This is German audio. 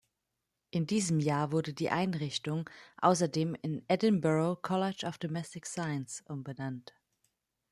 In diesem Jahr wurde die Einrichtung außerdem in "Edinburgh College of Domestic Science" umbenannt.